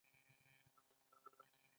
ایا ماشومان مو ښه خواړه خوري؟